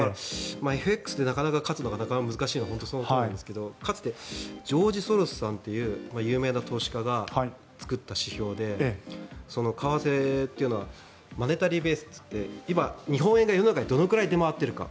ＦＸってなかなか勝つのが難しいのは本当にそのとおりなんですがかつてジョージ・ソロスさんという有名な投資家が作った指標で為替というのはマネタリーベースといって今、日本円が世の中にどのぐらい出回っているか